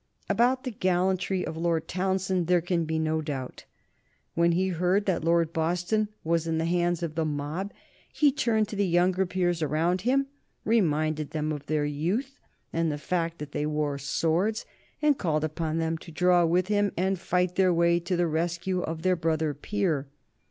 About the gallantry of Lord Townshend there can be no doubt. When he heard that Lord Boston was in the hands of the mob, he turned to the younger peers about him, reminded them of their youth, and the fact that they wore swords, and called upon them to draw with him and fight their way to the rescue of their brother peer.